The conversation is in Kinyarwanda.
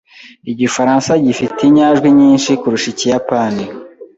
Igifaransa gifite inyajwi nyinshi kurusha Ikiyapani.